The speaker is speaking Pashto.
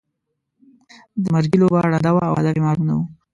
د مرګي لوبه ړنده وه او هدف یې معلوم نه وو.